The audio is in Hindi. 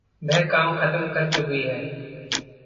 वह काम खतम कर चुकी है।